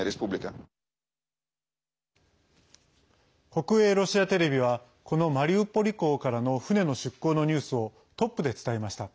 国営ロシアテレビはこのマリウポリ港からの船の出港のニュースをトップで伝えました。